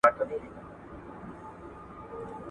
له فزيک وروسته کوم علم خپلواک سو؟